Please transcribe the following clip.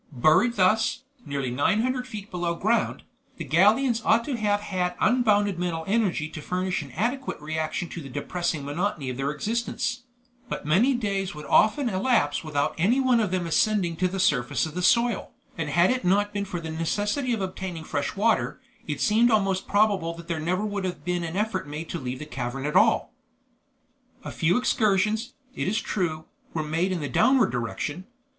Buried thus, nearly 900 feet below ground, the Gallians ought to have had unbounded mental energy to furnish an adequate reaction to the depressing monotony of their existence; but many days would often elapse without any one of them ascending to the surface of the soil, and had it not been for the necessity of obtaining fresh water, it seemed almost probable that there would never have been an effort made to leave the cavern at all. A few excursions, it is true, were made in the downward direction.